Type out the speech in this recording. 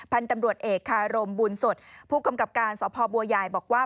พันธุ์ตำรวจเอกคารมบุญสดผู้กำกับการสพบัวใหญ่บอกว่า